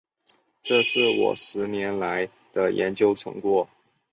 这是我十年来的研究成果